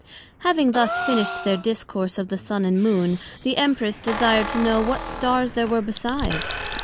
Having thus finished their discourse of the Sun and Moon, the Empress desired to know what Stars there were besides?